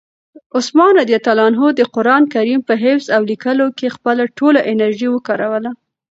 عثمان رض د قرآن کریم په حفظ او لیکلو کې خپله ټوله انرژي وکاروله.